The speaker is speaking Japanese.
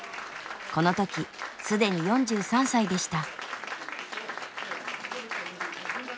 この時既に４３歳でした。